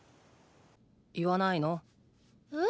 言わないの？え？